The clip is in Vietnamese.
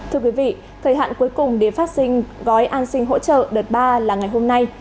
thưa quý vị thời hạn cuối cùng để phát sinh gói an sinh hỗ trợ đợt ba là ngày hôm nay